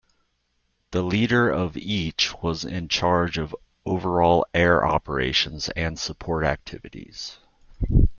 The leader of each was in charge of overall air operations and Support activities.